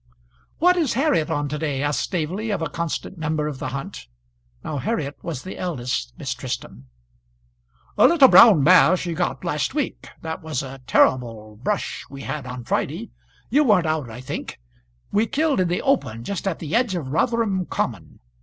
"What is Harriet on to day?" asked Staveley of a constant member of the hunt. Now Harriet was the eldest Miss Tristram. "A little brown mare she got last week. That was a terrible brush we had on Friday. You weren't out, I think. We killed in the open, just at the edge of Rotherham Common.